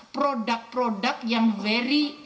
produk produk yang very